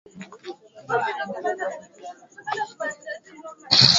Wakiroba ni kikabila cha Wakurya Wakisii